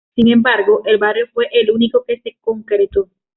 Sin embargo, el barrio fue el único que se concretó.